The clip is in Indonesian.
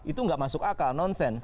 itu nggak masuk akal nonsens